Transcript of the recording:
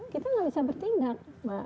kita tidak bisa bertindak